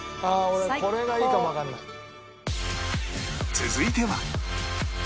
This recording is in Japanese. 続いては